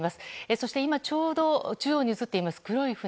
そして今ちょうど中央に映っている黒い船。